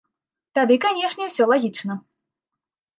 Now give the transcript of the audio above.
Тады, канешне, усё лагічна.